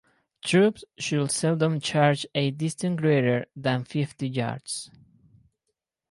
Troops should seldom charge a distance greater than fifty yards.